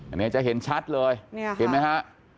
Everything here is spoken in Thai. อันนี้จะเห็นชัดเลยเห็นไหมฮะ